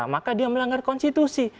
maka dia melanggar konstitusi